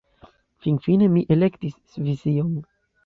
Finfine mi elektis Svision.